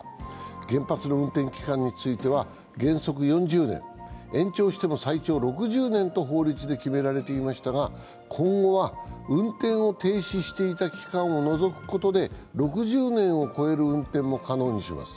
原発の運転期間については、原則４０年、延長しても最長６０年と法律で決められていましたが、今後は運転を停止していた期間を除くことで６０年を超える運転も可能にします。